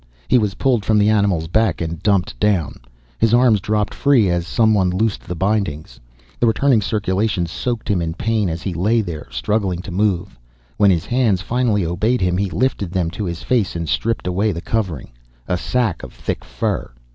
He was pulled from the animal's back and dumped down. His arms dropped free as someone loosed the bindings. The returning circulation soaked him in pain as he lay there, struggling to move. When his hands finally obeyed him he lifted them to his face and stripped away the covering, a sack of thick fur.